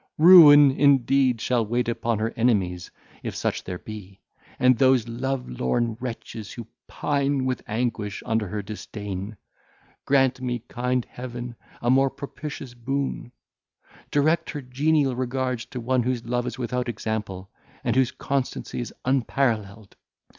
Ruin, indeed, shall wait upon her enemies, if such there be, and those love lorn wretches who pine with anguish under her disdain. Grant me, kind Heaven, a more propitious boon; direct her genial regards to one whose love is without example, and whose constancy is unparalleled.